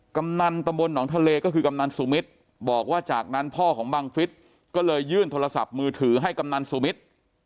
กำนันตำบลหนองทะเลก็คือกำนันสุมิตรบอกว่าจากนั้นพ่อของบังฟิศก็เลยยื่นโทรศัพท์มือถือให้กำนันสุมิตร